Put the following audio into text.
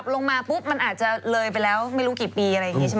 ลงมาปุ๊บมันอาจจะเลยไปแล้วไม่รู้กี่ปี